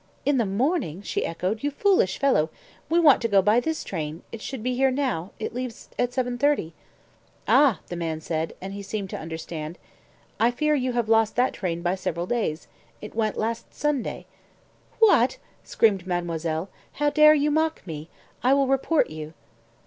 "In the morning!" she echoed. "You foolish fellow! We want to go by this train it should be here now it leaves at 7.30." "Ah!" the man said, and he seemed to understand. "I fear you have lost that train by several days; it went last Sunday." "What!" screamed mademoiselle. "How dare you mock me! I will report you."